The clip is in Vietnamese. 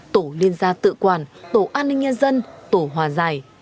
tổ liên gia tự quản tổ an ninh nhân dân tổ hòa giải